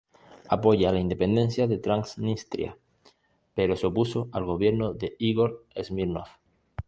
Apoya la independencia de Transnistria, pero se opuso al gobierno de Igor Smirnov.